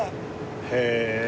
へえ。